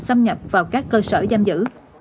xâm nhập vào các cơ sở giam giữ